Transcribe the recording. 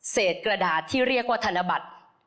กระดาษที่เรียกว่าธนบัตร